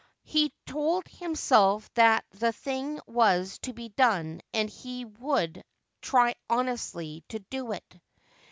He told himself that the thing was to be done and he would try honestly to do it.